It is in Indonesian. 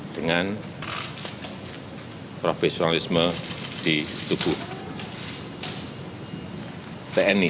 dengan profesionalisme di tubuh tni